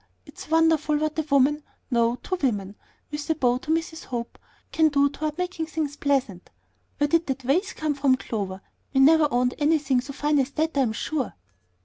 It's wonderful what a woman no, two women," with a bow to Mrs. Hope "can do toward making things pleasant. Where did that vase come from, Clover? We never owned anything so fine as that, I'm sure."